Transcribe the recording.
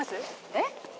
えっ？